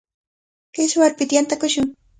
Kiswarpita yantakushun.